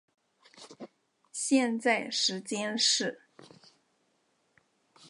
现在时间是。